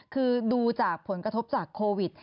คือดูจากผลกระทบจากโควิด